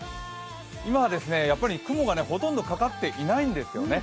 今は雲がほとんどかかっていないんですよね。